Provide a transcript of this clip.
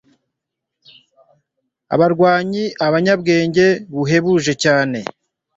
abarwanyi, abanyabwenge buhebuje cyane